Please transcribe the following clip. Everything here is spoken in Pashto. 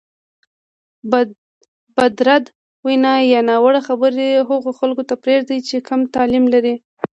بدرد وینا یا ناوړه خبرې هغو خلکو ته پرېږده چې کم تعلیم لري.